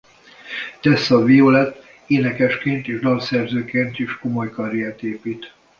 Tessa Violet énekesként és dalszerzőként is komoly karriert épít.